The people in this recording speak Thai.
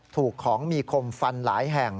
ถูกของมีคมฟันหลายแห่ง